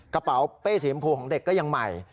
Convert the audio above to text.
กระเป๋าเป้สีชมพูของเด็กก็ยังใหม่